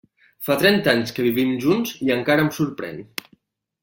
Fa trenta anys que vivim junts i encara em sorprèn.